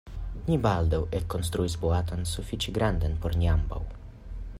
Ni baldaŭ ekkonstruis boaton sufiĉe grandan por ni ambaŭ.